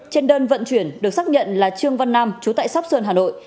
trên đơn vận chuyển được xác nhận là trương văn nam trú tại sắp xuân hà nội